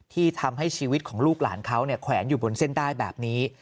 ที่ทำให้ชีวิตของลูกหลานเขาแขวนอยู่บนเส้นได้แบบนี้